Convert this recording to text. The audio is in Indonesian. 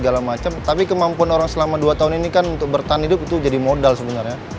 segala macam tapi kemampuan orang selama dua tahun ini kan untuk bertahan hidup itu jadi modal sebenarnya